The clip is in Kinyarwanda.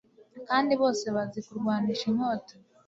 kandi bose bazi kurwanisha inkota